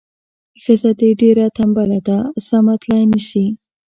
ښځه دې ډیره تنبله ده سمه تلای نه شي.